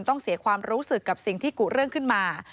ต้องเสียความรู้สึกกับสิ่งที่กุเรื่องขึ้นมา